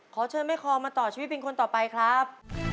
ขอเชิญแม่คองมาต่อชีวิตเป็นคนต่อไปครับ